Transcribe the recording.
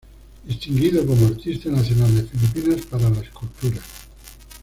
Distinguido como Artista Nacional de Filipinas para la Escultura.